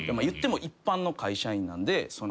言っても一般の会社員なんで。